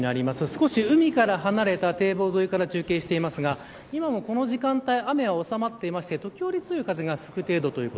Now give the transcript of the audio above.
少し海から離れた堤防沿いから中継をしていますが今もこの時間帯雨は収まっていまして時折、強い風が吹く程度です。